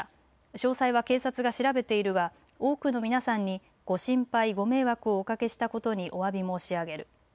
詳細は警察が調べているが多くの皆さんにご心配、ご迷惑をおかけしたことにおわび申し上げる。